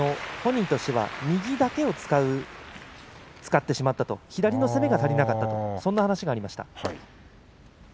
本人としては右だけを使ってしまったと左の攻めが足りなかったというそんな話がありました。